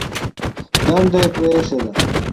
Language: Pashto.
دنده یې پرېښې ده.